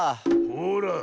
ほら。